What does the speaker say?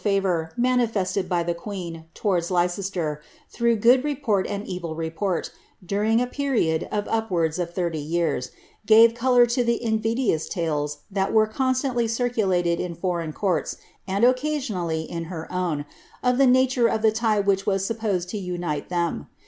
.„.uui maniresled by the queen lowtrdi Leicester, through good report ami evil report, ihirinir a period of up wards of thiriv years, gavL colour lo the invidious tales that were con stantly circulated in foreign courts, and occasionally in her own, of the ' nature of the lie which was supposed lo unite them.